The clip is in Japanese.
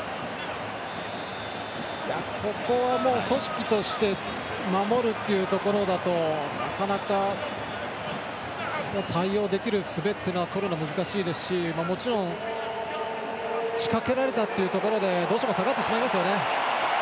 ここは組織として守るっていうところだとなかなか、対応できるすべをとるのは難しいですしもちろん、仕掛けられたっていうところでどうしても下がってしまいます。